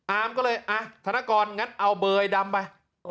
อาร์มก็เลยอ่ะธนกรงั้นเอาเบอร์ไอ้ดำไป